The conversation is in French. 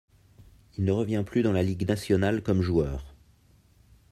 Il ne revient plus dans la ligue nationale comme joueur.